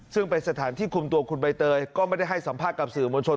ซึ่งเป็นสถานที่คุมตัวคุณใบเตยก็ไม่ได้ให้สัมภาษณ์กับสื่อมวลชน